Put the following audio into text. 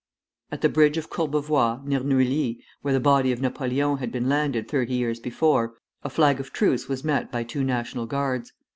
At the bridge of Courbevoie, near Neuilly, where the body of Napoleon had been landed thirty years before, a flag of truce was met by two National Guards.